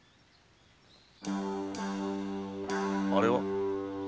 あれは？